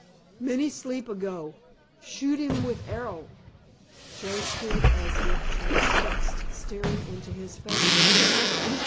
"Many sleep ago. Shoot heem with arrow." Joe stood as if transfixed, staring into his face.